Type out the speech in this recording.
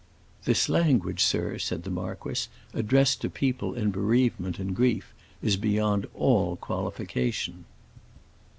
"This language, sir," said the marquis, "addressed to people in bereavement and grief is beyond all qualification."